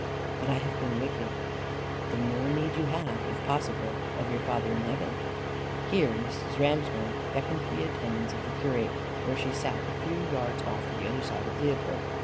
"But I have been wicked." "The more need you have, if possible, of your Father in heaven." Here Mrs. Ramshorn beckoned the attendance of the curate where she sat a few yards off on the other side of Leopold.